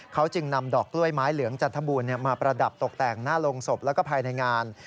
เขาจึงนำดอกกล้วยไม้เหลืองจันทบูรณ์มาประดับตกแต่งหน้าโรงศพแล้วก็ภายในงาน